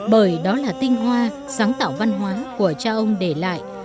bởi đó là tinh hoa sáng tạo văn hóa của cha ông để lại